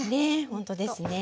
ほんとですね。